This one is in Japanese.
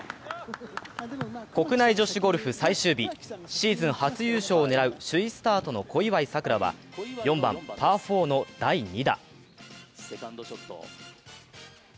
国内女子ゴルフ最終日、シーズン初優勝を狙う首位スタートの小祝さくらは４番パー４の第２打。